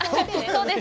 そうです。